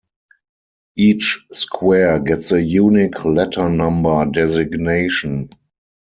Each square gets a unique letter-number designation.